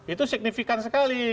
itu signifikan sekali